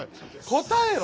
答えろ。